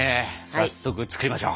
早速作りましょう！